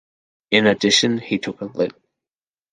In addition, he took a Litt.